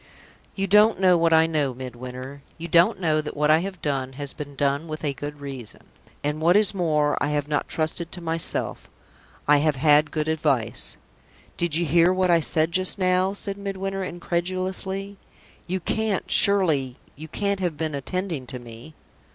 "You don't know what I know, Midwinter. You don't know that what I have done has been done with a good reason. And what is more, I have not trusted to myself I have had good advice." "Did you hear what I said just now?" asked Midwinter, incredulously. "You can't surely, you can't have been attending to me?"